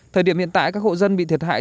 thời điểm hiện tại các hộ dân bị thiệt hại